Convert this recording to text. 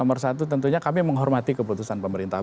nomor satu tentunya kami menghormati keputusan pemerintah